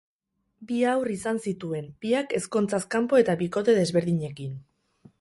Bi haur izan zituen, biak ezkontzaz kanpo eta bikote desberdinekin.